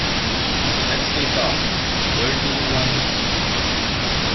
Let's take off. Where do you want to see?